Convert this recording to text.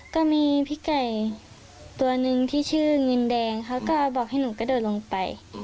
ก็มีพี่ไก่ตัวหนึ่งที่ชื่อเงินแดงเขาก็บอกให้หนูกระโดดลงไป